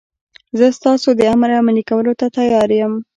زه ستاسو د امر عملي کولو ته تیار یم.